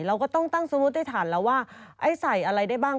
เราก็ต้องตั้งสมมุติให้ฐานแล้วว่าไอ้ใส่อะไรได้บ้าง